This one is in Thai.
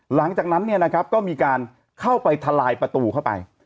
หลังจากนั้นก็มีการเข้าไปทลายประตูเข้าไป